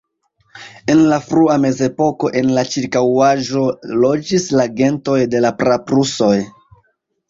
En la frua Mezepoko en la ĉirkaŭaĵo loĝis la gentoj de praprusoj.